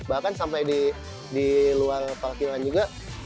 bahkan sampai di luar parkiran juga